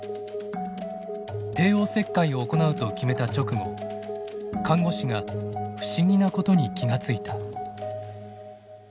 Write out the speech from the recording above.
帝王切開を行うと決めた直後看護師が不思議なことに気が付いた。